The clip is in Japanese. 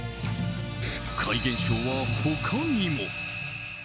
怪現象は他にも。